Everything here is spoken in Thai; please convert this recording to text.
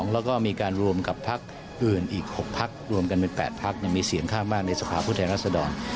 แล้วก็มีการรวมกับพักอื่นอีก๖พักรวมกันเป็น๘พักมีเสียงข้างมากในสภาพผู้แทนรัศดร